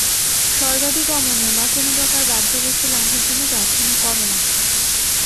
স্বর্গাদি গমনের বা কোন প্রকার বাহ্য বস্তু লাভের জন্য প্রার্থনা কর্মমাত্র।